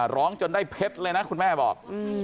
ร้องจนได้เพชรเลยนะคุณแม่บอก